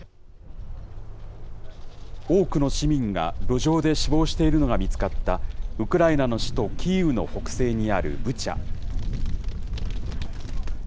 多くの市民が路上で死亡しているのが見つかった、ウクライナの首都キーウの北西にある、ブチャ。